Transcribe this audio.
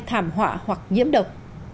thảm họa hoặc nhiễm độc